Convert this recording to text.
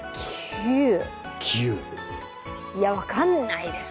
９？いや分かんないですよ。